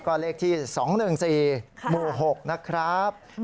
ก็เลขที่๒๑๔หมู่๖นะครับ